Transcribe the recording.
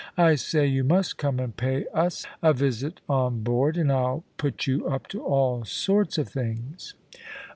I say, you must come and pay us a visit on board, and I'll put you up to all sorts of things."